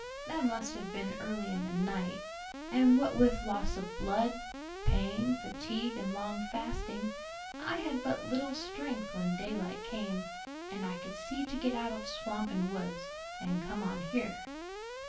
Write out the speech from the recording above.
That must have been early in the night; and what with loss of blood, pain, fatigue, and long fasting, I had but little strength when daylight came and I could see to get out of swamp and woods, and come on here."